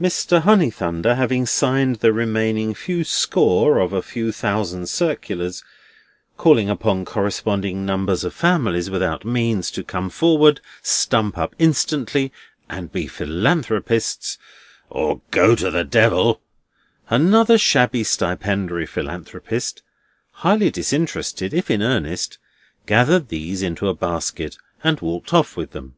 Mr. Honeythunder having signed the remaining few score of a few thousand circulars, calling upon a corresponding number of families without means to come forward, stump up instantly, and be Philanthropists, or go to the Devil, another shabby stipendiary Philanthropist (highly disinterested, if in earnest) gathered these into a basket and walked off with them.